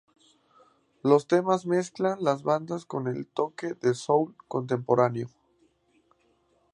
Los temas mezclan las baladas con toques de soul contemporáneo.